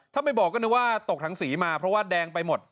ถ้าไม่บอกก็นึกว่าตกถังสีมาเพราะว่าแดงไปหมด